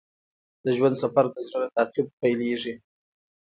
د ژوند سفر د زړه له تعقیب پیلیږي.